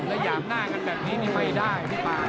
หยามหน้ากันแบบนี้นี่ไม่ได้พี่ป่า